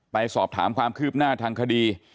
ไปสอบถามคืบหน้าของทางคดี